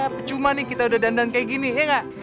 pecuma nih kita udah dandan kayak gini ya gak